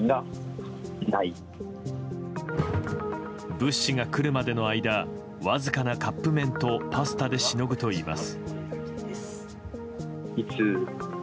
物資が来るまでの間わずかなカップ麺とパスタでしのぐといいます。